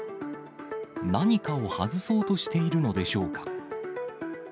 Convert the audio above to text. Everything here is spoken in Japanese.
何かを外そうとしているのでしょうか。